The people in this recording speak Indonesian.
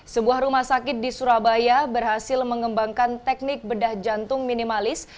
sebuah rumah sakit di surabaya berhasil mengembangkan teknik bedah jantung minimalis